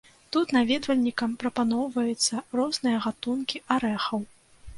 Тут наведвальнікам прапаноўваюцца розныя гатункі арэхаў.